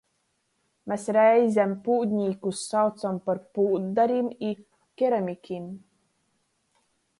Mes reizem pūdnīkus saucom par pūddarim i keramikim.